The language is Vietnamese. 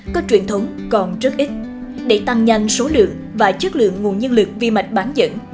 có truyền thống còn rất ít để tăng nhanh số lượng và chất lượng nguồn nhân lực vi mạch bán dẫn